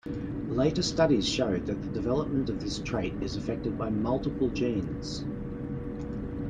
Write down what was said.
Later studies showed that the development of this trait is affected by multiple genes.